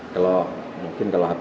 kalau mungkin kalau hampir